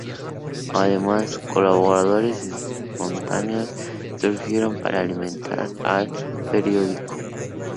Además, colaboradores espontáneos surgieron para alimentar al periódico.